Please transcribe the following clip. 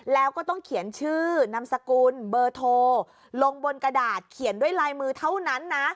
แล้วก็ต้องเขียนชื่อนามสกุลเบอร์โทรลงบนกระดาษเขียนด้วยลายมือเท่านั้นนะ